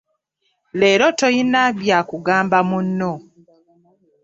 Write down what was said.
Leero tolina by'akugamba munno.